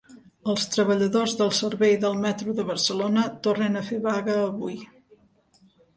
Els treballadors del servei del metro de Barcelona tornen a fer vaga avui.